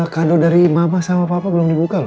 kado dari mama sama papa belum dibuka loh